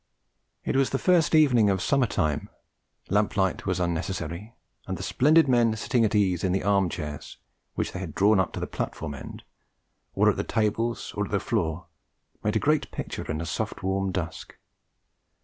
It was the first evening of Summer Time; lamplight was unnecessary; and the splendid men sitting at ease in the arm chairs, which they had drawn up to the platform end, or at the tables or on the floor, made a great picture in the soft warm dusk.